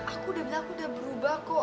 aku udah bilang udah berubah kok